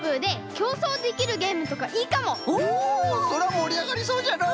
おおそれはもりあがりそうじゃの！